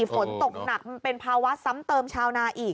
ฝนตกหนักมันเป็นภาวะซ้ำเติมชาวนาอีก